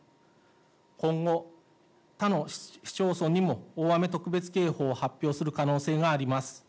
今後、他の市町村にも大雨特別警報を発表する可能性があります。